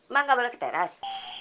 ma gak boleh ke teras